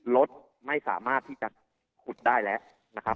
รถไม่สามารถที่จะขุดได้แล้วนะครับ